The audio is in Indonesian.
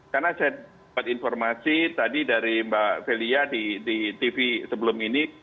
karena saya dapat informasi tadi dari mbak velia di tv sebelum ini